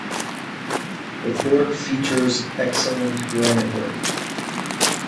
The fort features excellent granite work.